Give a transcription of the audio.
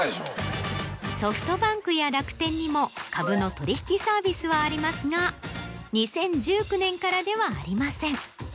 ソフトバンクや楽天にも株の取引サービスはありますが２０１９年からではありません。